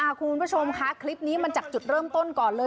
คุณผู้ชมคะคลิปนี้มันจากจุดเริ่มต้นก่อนเลย